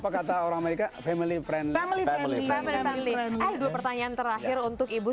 apa kata orang amerika family friend family family family dua pertanyaan terakhir untuk ibu